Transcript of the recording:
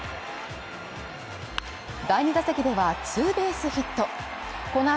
第２打席ではツーベースヒット。